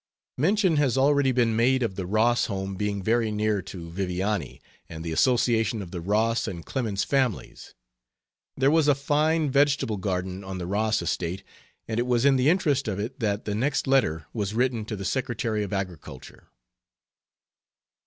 Mention has already been made of the Ross home being very near to Viviani, and the association of the Ross and Clemens families. There was a fine vegetable garden on the Ross estate, and it was in the interest of it that the next letter was written to the Secretary of Agriculture.